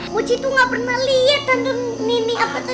moci tuh gak pernah liat hantu nini apa tadi